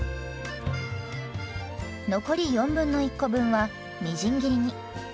残り1/4コ分はみじん切りに。